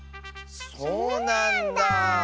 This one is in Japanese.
そうなんだあ。